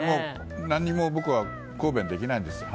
何も僕は答弁できないんですよ。